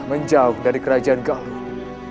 menjauh dari kerajaan galuh